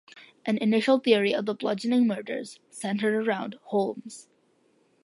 An initial theory of the bludgeoning murders centered around Holmes.